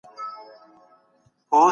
وروڼه یې وژلي ول